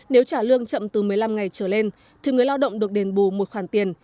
nếu trả lương chậm từ một mươi năm ngày trở lên thì người lao động được đền bù một khoản tiền